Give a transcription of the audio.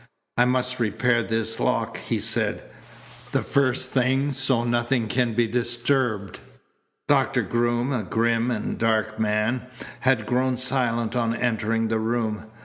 "I must repair this lock," he said, "the first thing, so nothing can be disturbed." Doctor Groom, a grim and dark man, had grown silent on entering the room.